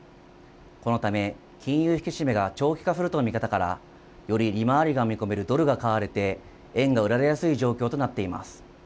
このため金融引き締めが長期化するとの見方からより利回りが見込めるドルが買われて円が売られやすい状況となっています。